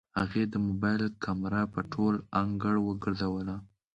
هغې د موبايل کمره په ټول انګړ وګرځوله.